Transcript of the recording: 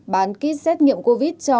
bán kit xét nghiệm covid cho